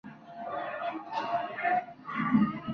Antes de comenzar a actuar, Doris era una acróbata.